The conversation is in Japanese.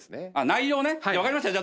内容ね分かりました。